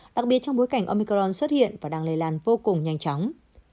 đặc biệt trong bối cảnh omicron xuất hiện và đang lây lan vô cùng nhanh chóng